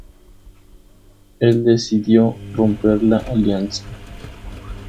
Él decidió romper la alianza.